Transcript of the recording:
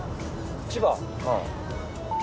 千葉？